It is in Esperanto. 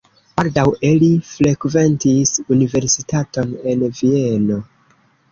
Baldaŭe li frekventis universitaton en Vieno.